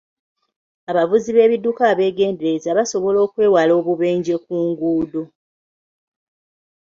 Abavuzi b'ebidduka abeegendereza basobola okwewala obubenje ku luguudo.